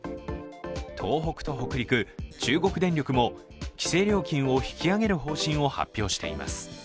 東北と北陸、中国電力も規制料金を引き上げる方針を発表しています。